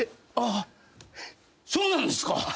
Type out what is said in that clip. ああそうなんですか。